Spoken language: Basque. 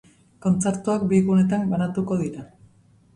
Kontzertuak bi gunetan banatuko dira.